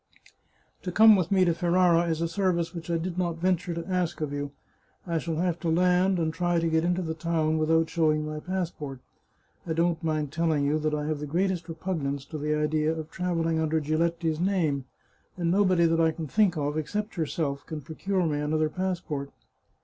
" To come with me to Ferrara is a service which I did not venture to ask of you. I shall have to land and try to get into the town without showing my passport. I don't mind telling you that I have the greatest repugnance to the idea of travelling under Giletti's name, and nobody that I can think of, except yourself, can procure me another pass port."